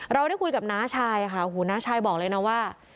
เราได้คุยกับน้าชายค่ะน้าชายบอกเลยนะว่า